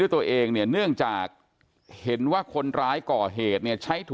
ถึงจะเป็นพ่อค้าไหมคะเขาค้าขายโทษแต่เขาก็ไม่ใช้